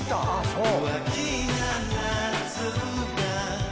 そう。